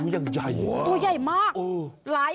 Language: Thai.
ตัวใหญ่มาก